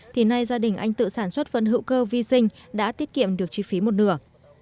thì nay gia đình anh tự sản xuất phân hữu cơ vi sinh đã tiết kiệm được chi phí một nửa